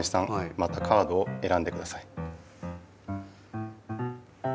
またカードをえらんでください。